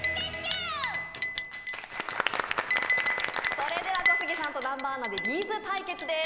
それでは、小杉さんと南波アナでＢ’ｚ対決です。